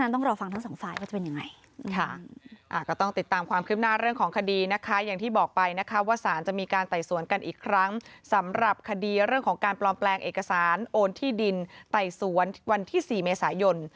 ตามความคิดหน้าเรื่องของคดีนะคะอย่างที่บอกไปนะคะว่าสารจะมีการไต่สวนกันอีกครั้งสำหรับคดีเรื่องของการปลอมแปลงเอกสารโอนที่ดินไต่สวนวันที่๔เมษายน